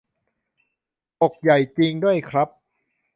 ปกใหญ่จริงด้วยครับ